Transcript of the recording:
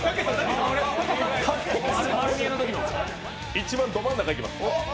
一番ど真ん中行きます。